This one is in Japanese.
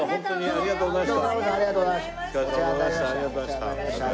ありがとうございます。